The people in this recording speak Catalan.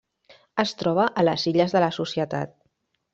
Es troba a les Illes de la Societat.